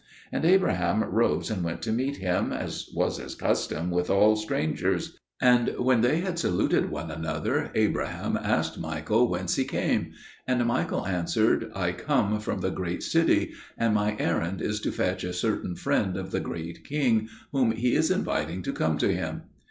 And Abraham rose and went to meet him, as was his custom with all strangers; and when they had saluted one another, Abraham asked Michael whence he came; and Michael answered, "I come from the Great City, and my errand is to fetch a certain friend of the Great King, whom He is inviting to come to Him."